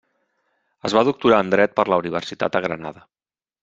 Es va doctorar en Dret per la Universitat de Granada.